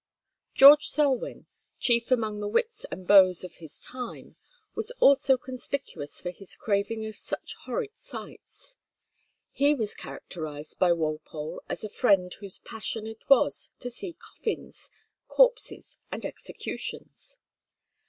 George Selwyn, chief among the wits and beaux of his time, was also conspicuous for his craving for such horrid sights. He was characterized by Walpole as a friend whose passion it was to see coffins, corpses, and executions.